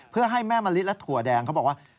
เพื่อให้แม่มะลิและถั่วแดงเขาบอกว่า